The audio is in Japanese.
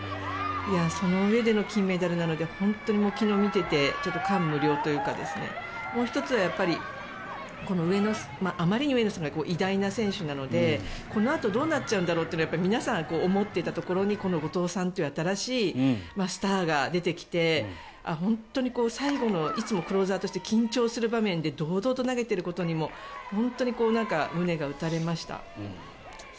そのうえでの金メダルなので本当に、昨日見ていてちょっと感無量というかもう１つは、あまりに上野さんが偉大な選手なので、このあとどうなっちゃうんだろうと皆さん、思っていたところにこの後藤さんという新しいスターが出てきて本当に最後いつもクローザーとして緊張する場面で堂々と投げていることにも本当に胸が打たれました。